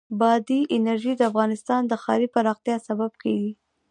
بادي انرژي د افغانستان د ښاري پراختیا سبب کېږي.